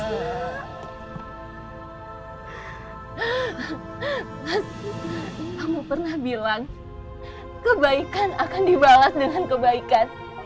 hmm kamu pernah bilang kebaikan akan dibalas dengan kebaikan